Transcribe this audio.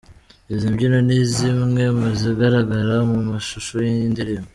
Izi mbyino ni zimwe muzigaragara mu mashusho y'iyi ndirimbo.